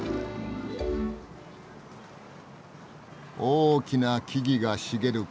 大きな木々が茂る公園。